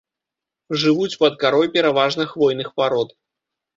Жывуць пад карой пераважна хвойных парод.